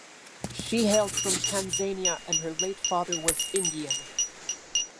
She hails from Tanzania and her late father was Indian.